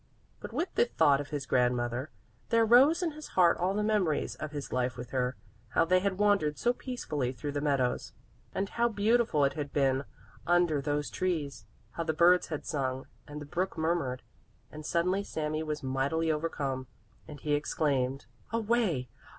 But with the thought of his grandmother, there rose in his heart all the memories of his life with her, how they had wandered so peacefully through the meadows, and how beautiful it had been under those trees, how the birds had sung and the brook murmured, and suddenly Sami was mightily overcome, and he exclaimed: "Away!